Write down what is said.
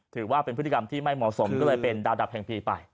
ถือว่าเป็นพฤติกรรมที่ไม่เหมาะสมก็เลยเป็นดาวดับแห่งปีไป